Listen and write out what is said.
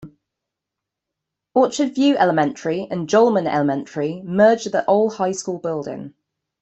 Orchard View Elementary and Jolman Elementary merged at the old high school building.